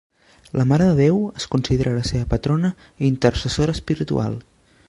La Mare de Déu és considerada la seva patrona i intercessora espiritual.